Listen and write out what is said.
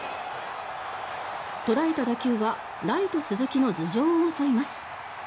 とらえた打球はライト鈴木の頭上を襲います。